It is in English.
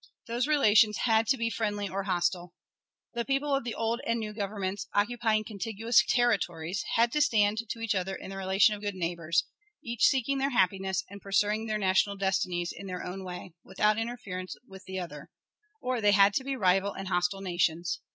Those relations had to be friendly or hostile. The people of the old and new Governments, occupying contiguous territories, had to stand to each other in the relation of good neighbors, each seeking their happiness and pursuing their national destinies in their own way, without interference with the other; or they had to be rival and hostile nations.